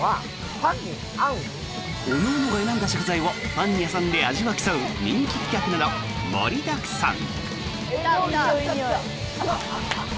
各々が選んだ食材をパンに挟んで味を競う人気企画など盛りだくさん。